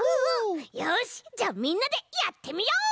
よしじゃあみんなでやってみよう！